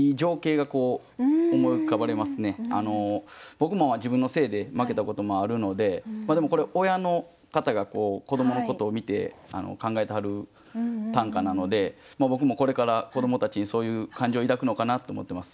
僕も自分のせいで負けたこともあるのででもこれ親の方が子どものことを見て考えてはる短歌なので僕もこれから子どもたちにそういう感情を抱くのかなと思ってます。